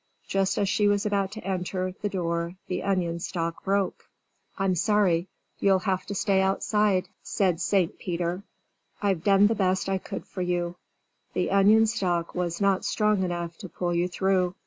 Just as she was about to enter the door the onion stalk broke. "I'm sorry. You'll have to stay outside," said St. Peter. "I've done the best I could for you. The onion stalk was not strong enough to pull you through."